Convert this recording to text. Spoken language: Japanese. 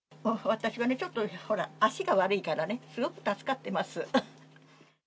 私はちょっとほら、足が悪いからね、すごく助かってます。